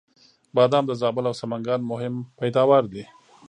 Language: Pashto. بادام د زابل او سمنګان مهم پیداوار دی